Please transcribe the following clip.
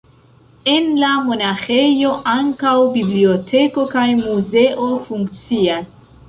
En la monaĥejo ankaŭ biblioteko kaj muzeo funkcias.